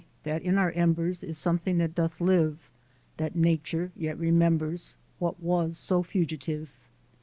that in our embers Is something that doth live, That Nature yet remembers What was so fugitive!